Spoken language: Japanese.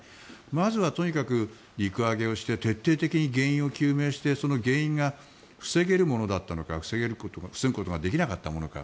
まずはとにかく陸揚げをして徹底的に原因究明してその原因が防げるものだったのか防ぐことができなかったのか